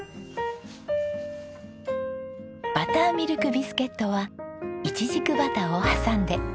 バターミルクビスケットはイチジクバターを挟んで。